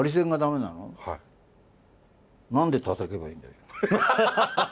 何でたたけばいいんだよ。